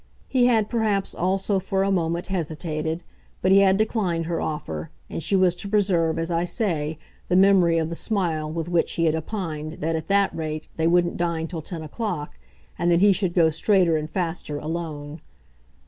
He had perhaps also for a moment hesitated, but he had declined her offer, and she was to preserve, as I say, the memory of the smile with which he had opined that at that rate they wouldn't dine till ten o'clock and that he should go straighter and faster alone.